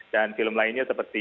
dan film lainnya sepertinya